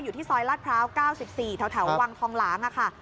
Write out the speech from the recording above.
อยู่ที่ซอยลาดพร้าว๙๔แถววังทองหลางค่ะ